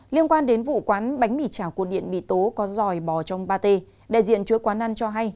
liên quan đến vụ quán bánh mì chảo cột điện bị tố có dòi bò trong pate đại diện chuỗi quán ăn cho hay